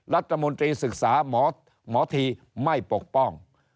รัฐมนตรีศึกษาหมอทีไม่ปกป้อง